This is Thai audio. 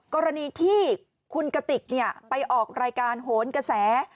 กรณีที่คุณกติกไปออกรายการโหนกระแส